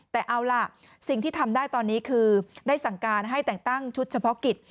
แต่เอาล่ะสิ่งที่ทำได้ตอนนี้คือได้สั่งการให้แต่งตั้งชุดเฉพาะกิจ